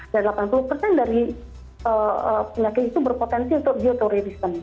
dan delapan puluh persen dari penyakit itu berpotensi untuk geotoridism